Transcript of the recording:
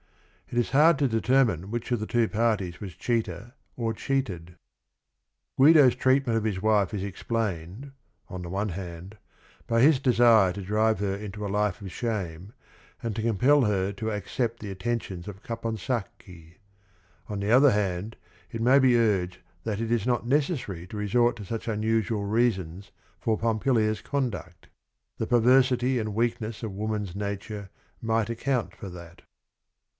It is hard to determine which of the two parties was ch eater or cheated. Guido's treatment of his wife is explained, on the one hand, by his desire to drive her into a life of shame and to compel her to accept the atten tions of Caponsacchi. On the other hand, it may be urged that it is not necessary to resort to such unusual reasons for Pompilia's conduct; the perversity and weakness of woman's nature might account for that.